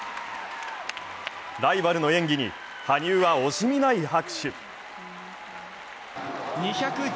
ライバルの演技に羽生は惜しみない拍手。